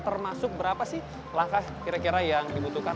termasuk berapa sih langkah kira kira yang dibutuhkan